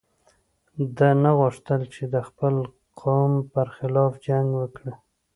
ده نه غوښتل چې د خپل قوم پر خلاف جنګ وکړي.